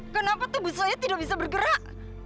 kenapa tuh busunya tidak bisa bergerak